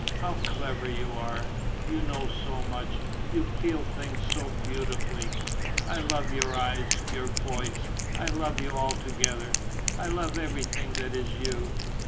How clever you are! You know so much, you feel things so beautifully. I love your eyes, your voice, I love you altogether, I love everything that is you